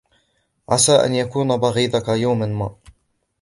عَسَى أَنْ يَكُونَ بَغِيضَك يَوْمًا مَا